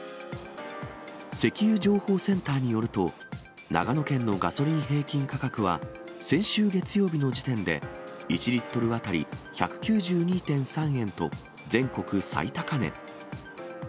石油情報センターによると、長野県のガソリン平均価格は、先週月曜日の時点で１リットル当たり１９２．３円と、全国最高値。